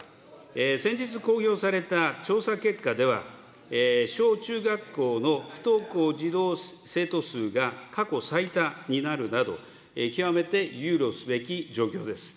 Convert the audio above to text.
先日公表された調査結果では、小中学校の不登校児童・生徒数が過去最多になるなど、極めて憂慮すべき状況です。